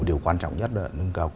điều quan trọng nhất là nâng cao